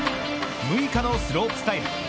６日のスロープスタイル